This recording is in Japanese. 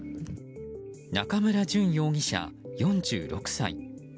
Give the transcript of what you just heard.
中村淳容疑者、４６歳。